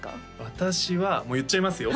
私はもう言っちゃいますよ